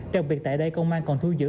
đặc biệt tại đây công an còn thu giữ